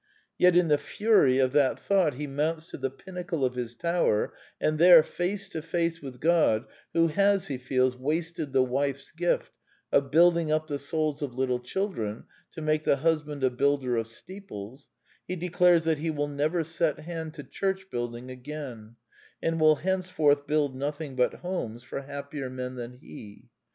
Yet in the fury of that 144 The Quintessence of Ibsenism thought he mounts to the pinnacle of his tower, and there, face to face with God, who has, he feels, wasted the wife's gift of building up the souls of little children to make the husband a builder of steeples, he declares that he will never set hand to church building again, and will hence forth build nothing but homes for happier men than he.